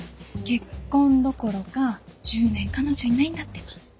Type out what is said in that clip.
結婚どころか１０年彼女いないんだってば。